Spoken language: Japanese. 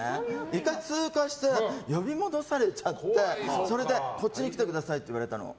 １回通過して呼び戻されちゃってそれでこっちに来てくださいって言われたの。